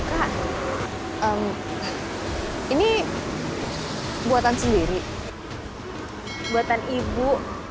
kasian tante ayu